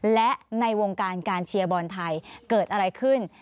และในวงการการเชียร์บอลไทยเกิดอะไรขึ้น